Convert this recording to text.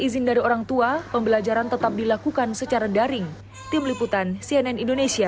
izin dari orang tua pembelajaran tetap dilakukan secara daring tim liputan cnn indonesia